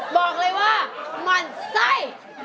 บอกเลยว่าหมั่นใส่